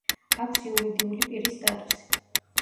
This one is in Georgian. აქვს იურიდული პირის სტატუსი.